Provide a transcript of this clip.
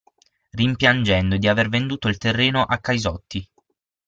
Rimpiangendo di aver venduto il terreno a Caisotti.